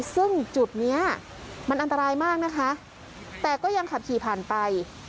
ซึ่งจุดเนี้ยมันอันตรายมากนะคะแต่ก็ยังขับขี่ผ่านไป